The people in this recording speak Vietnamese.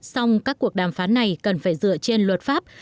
song các cuộc đàm phán này cần phải dựa trên luật pháp